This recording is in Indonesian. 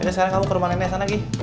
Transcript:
nah sekarang kamu ke rumah nenek sana gi